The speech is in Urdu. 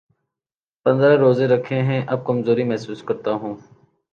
پندرہ روزے رکھے ہیں‘ اب کمزوری محسوس کر تا ہوں۔